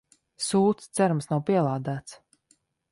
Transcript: Sūds, cerams nav pielādēts.